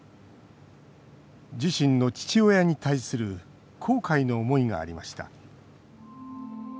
自身の父親に対する後悔の思いがありました。